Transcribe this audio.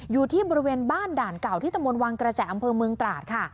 อยู่ที่บริเวณบ้านด่านเก่าที่ตะมนตวังกระแจอำเภอเมืองตราดค่ะ